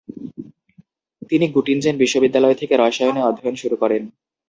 তিনি গুটিনজেন বিশ্ববিদ্যালয় থেকে রসায়নে অধ্যয়ন শুরু করেন।